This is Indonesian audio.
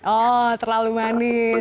oh terlalu manis